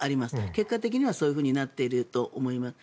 結果的にはそういうふうになっていると思います。